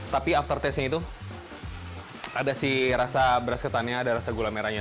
tapi after taste nya itu ada sih rasa beras ketannya ada rasa gula merahnya